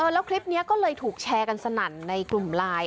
แล้วคลิปนี้ก็เลยถูกแชร์กันสนั่นในกลุ่มไลน์